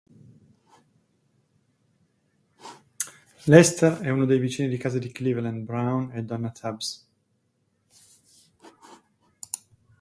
Lester è uno dei vicini di casa di Cleveland Brown e Donna Tubbs.